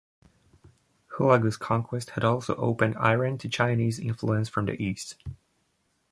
Hulagu's conquests had also opened Iran to Chinese influence from the east.